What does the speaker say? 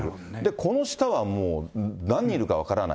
この下はもう、何人いるか分からない。